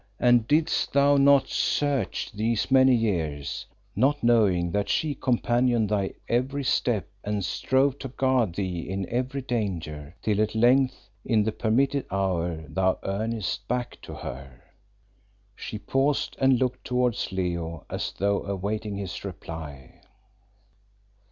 And didst thou not search these many years, not knowing that she companioned thy every step and strove to guard thee in every danger, till at length in the permitted hour thou camest back to her?" She paused, and looked towards Leo, as though awaiting his reply.